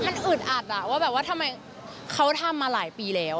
มันอึดอัดอ่ะว่าแบบว่าทำไมเขาทำมาหลายปีแล้ว